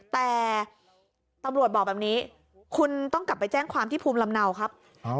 แต่ตำรวจบอกแบบนี้คุณต้องกลับไปแจ้งความที่ภูมิลำเนาครับ